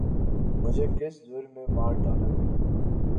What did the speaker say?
مجھے کس جرم میں مار ڈالا گیا؟